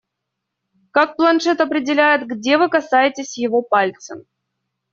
Как планшет определяет, где вы касаетесь его пальцем?